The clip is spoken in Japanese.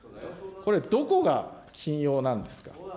これ、どこが緊要なんですか。